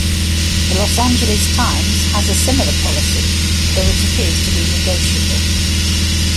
The "Los Angeles Times" has a similar policy, though it appears to be negotiable.